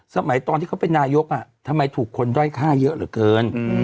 สมัยตอนที่เขาเป็นนายกทำไมถูกคนด้อยฆ่าเยอะเหลือเกิน